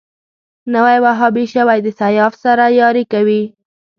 نوی وهابي شوی د سیاف سره ياري کوي